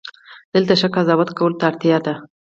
دلته ښه قضاوت کولو ته اړتیا ده.